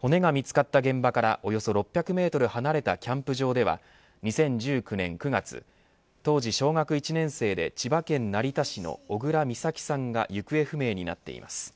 骨が見つかった現場からおよそ６００メートル離れたキャンプ場では２０１９年９月当時小学１年生で千葉県成田市の小倉美咲さんが行方不明になっています。